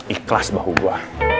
ikhlas bahu gue